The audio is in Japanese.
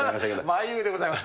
まいうーでございます。